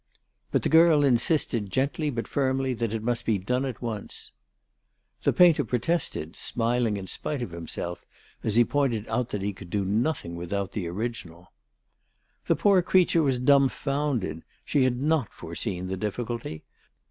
But the girl insisted gently but firmly that it must be done at once. The painter protested, smiling in spite of himself as he pointed out that he could do nothing without the original. The poor creature was dumfounded; she had not foreseen the difficulty.